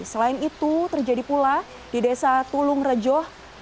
selain itu terjadi pula di desa tulung rejoh